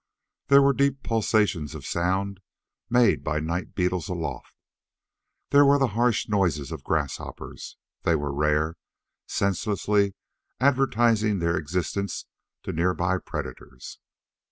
There were the deep pulsations of sound made by night beetles aloft. There were the harsh noises of grasshoppers they were rare senselessly advertising their existence to nearby predators.